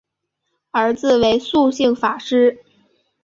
儿子为素性法师。